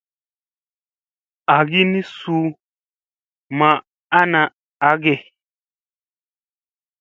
Agi ni suu ma ana age.